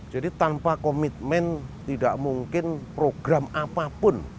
jadi tanpa komitmen tidak mungkin program apapun